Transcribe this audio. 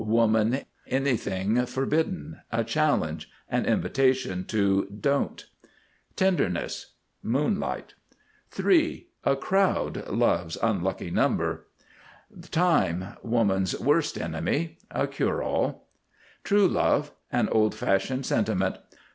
Woman. Anything forbidden. A challenge. An invitation to don't. TENDERNESS. Moonlight. THREE. A crowd. Love's unlucky number. TIME. Woman's worst enemy. A cure all. TRUE LOVE. An old fashioned sentiment.